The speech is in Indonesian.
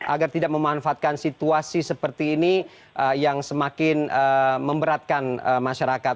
agar tidak memanfaatkan situasi seperti ini yang semakin memberatkan masyarakat